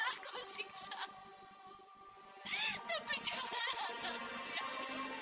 aku rela kau siksa tapi janganlah aku nyari